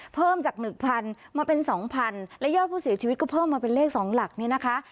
เพิ่มจาก๑๐๐มาเป็น๒๐๐และยอดผู้เสียชีวิตก็เพิ่มมาเป็นเลข๒หลักเนี่ยนะคะ